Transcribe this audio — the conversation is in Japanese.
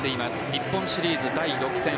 日本シリーズ第６戦。